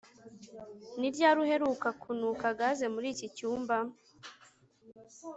Ni ryari uheruka kunuka gaze muri iki cyumba